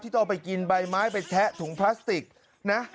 ต้องเอาไปกินใบไม้ไปแทะถุงพลาสติกนะ